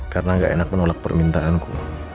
karena gak enak menolak permintaanku